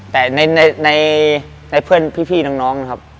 แต่ในเพื่อนพี่น้องนะครับ